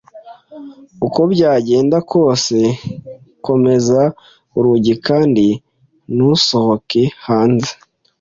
uko byagenda kose, komeza urugi kandi ntusohoke hanze.